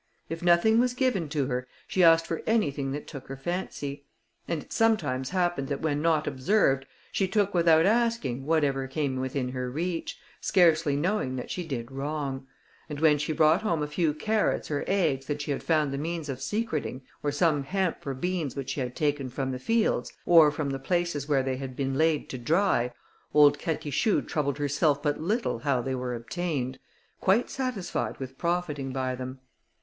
If nothing was given to her, she asked for anything that took her fancy; and it sometimes happened that when not observed, she took without asking whatever came within her reach, scarcely knowing that she did wrong; and when she brought home a few carrots or eggs that she had found the means of secreting, or some hemp or beans which she had taken from the fields, or from the places where they had been laid to dry, old Catichou troubled herself but little how they were obtained, quite satisfied with profiting by them.